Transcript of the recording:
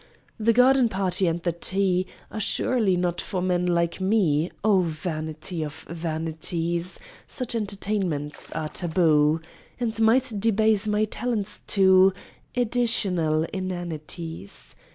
The garden party, and the tea, Are surely not for men like me (O Vanity of Vanities!); Such entertainments are taboo, And might debase my talents to Additional inanities.